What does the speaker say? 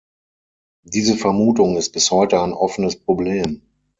Diese Vermutung ist bis heute ein offenes Problem.